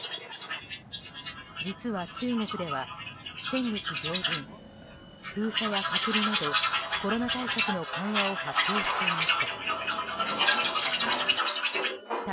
実は中国では、先月上旬封鎖や隔離などコロナ対策の緩和を発表していました。